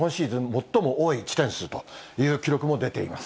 最も多い地点数という記録も出ています。